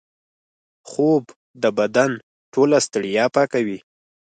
خوب د بدن ټوله ستړیا پاکوي